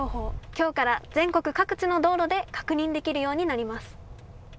きょうから全国各地の道路で確認できるようになります。